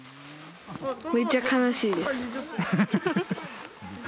めっちゃ悲しいです。